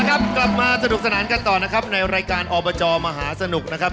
กลับมาสนุกสนานกันต่อนะครับในรายการอบจมหาสนุกนะครับ